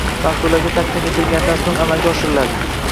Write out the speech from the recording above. Mas’ullarga taqdim etilganidan so‘ng amalga oshiriladi.